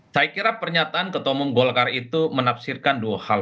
saya kira pernyataan ketua umum golkar itu menafsirkan dua hal